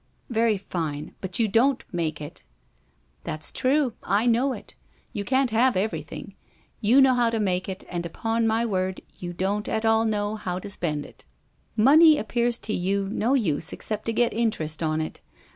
"Very fine, but you don't make it." "That's true. I know it. One can't have everything. You know how to make it, and, upon my word, you don't at all know how to spend it. Money appears to you no use except to get interest on it.